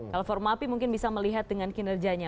kalau formapi mungkin bisa melihat dengan kinerjanya